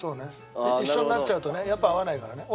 一緒になっちゃうとねやっぱ合わないからね。